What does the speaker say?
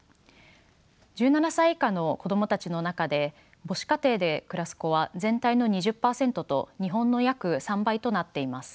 １７歳以下の子供たちの中で母子家庭で暮らす子は全体の２０％と日本の約３倍となっています。